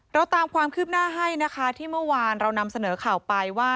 เราตามความคืบหน้าให้นะคะที่เมื่อวานเรานำเสนอข่าวไปว่า